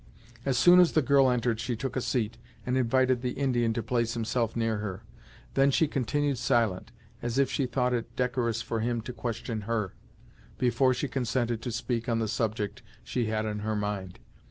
As soon as the girl entered she took a seat, and invited the Indian to place himself near her; then she continued silent, as if she thought it decorous for him to question her, before she consented to speak on the subject she had on her mind.